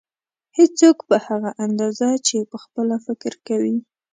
هېڅوک په هغه اندازه چې پخپله فکر کوي.